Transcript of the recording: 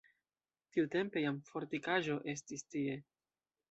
Tiutempe jam fortikaĵo estis tie.